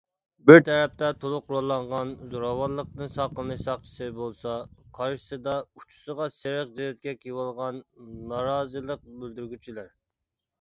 بىر تەرەپتە تولۇق قوراللانغان زوراۋانلىقتىن ساقلىنىش ساقچىسى بولسا، قارشىسىدا ئۇچىسىغا سېرىق جىلىتكە كىيىۋالغان نارازىلىق بىلدۈرگۈچىلەر.